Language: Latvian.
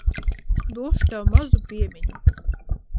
Došu tev mazu piemiņu.